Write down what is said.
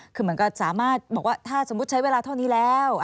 คือเหมือนกับสามารถบอกว่าถ้าสมมุติใช้เวลาเท่านี้แล้ว